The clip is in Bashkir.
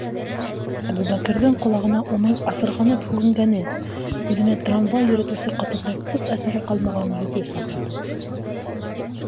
Әбүбәкерҙең ҡолағына уның асырғанып һүгенгәне, күҙенә трамвай йөрөтөүсе ҡатындың ҡот әҫәре ҡалмаған йөҙө сағылды.